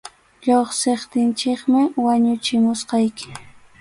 Lluqsiptinchikmi wañuchimusqayki.